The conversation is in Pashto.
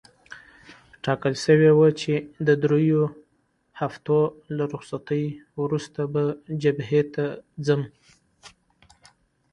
ټاکل شوې وه چې د دریو اونیو له رخصتۍ وروسته به جبهې ته ځم.